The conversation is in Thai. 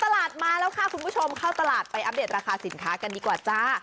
ตลาดมาแล้วค่ะคุณผู้ชมเข้าตลาดไปอัปเดตราคาสินค้ากันดีกว่าจ้า